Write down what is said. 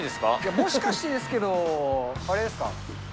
もしかしてですけど、あれですか？